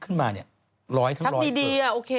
เอ้าฟิตเบคค่ะ